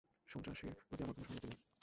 সন্ত্রাসীর প্রতি আমার কোনো সহানুভূতি নেই।